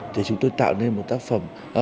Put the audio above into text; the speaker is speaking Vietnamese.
thì chúng tôi tạo ra một hình ảnh